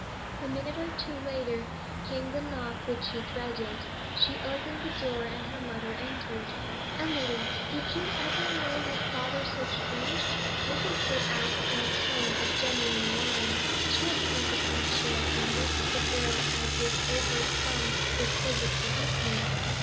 A minute or two later came the knock which she dreaded. She opened the door, and her mother entered. 'Emily, did you ever know your father so strange?' Mrs. Hood asked, in a tone of genuine alarm. She had sunk upon a chair, and looked to the girl as if overcome with physical weakness.